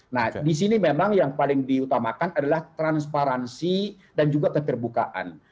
nah di sini memang yang paling diutamakan adalah transparansi dan juga keterbukaan